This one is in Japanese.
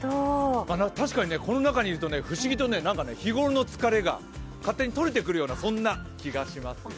確かにこの中にいると不思議と日頃の疲れが勝手に取れてくるようなそんな気がしますよ。